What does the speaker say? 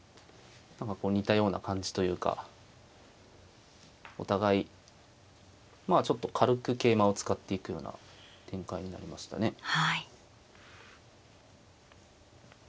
何かこう似たような感じというかお互いまあちょっと軽く桂馬を使っていくような展開になりましたね。